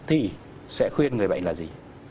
thì sẽ khuyên người bệnh là gì